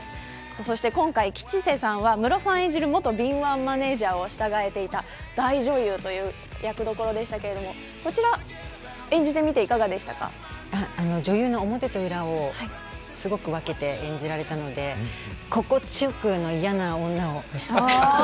そして今回、吉瀬さんはムロさん演じる元敏腕マネジャーを従えていた大女優という役どころでしたが女優の表と裏をすごく分けて演じられたので心地よく嫌な女を。